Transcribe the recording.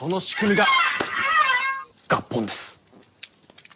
が合本です。